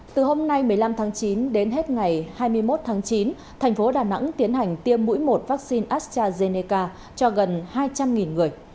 từ hôm nay một mươi năm tháng chín đến hết ngày hai mươi một tháng chín thành phố đà nẵng tiến hành tiêm mũi một vaccine astrazeneca cho gần hai trăm linh người